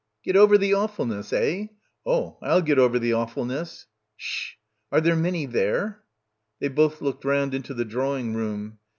"Get over the awfulness, eh? Oh, I'll get over the awfulness." "Ssh — are there many there?" 5 6 BACKWATER They both looked round into the drawing room.